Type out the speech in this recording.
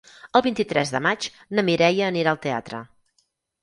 El vint-i-tres de maig na Mireia anirà al teatre.